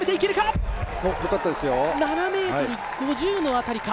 ７ｍ５０の辺りか。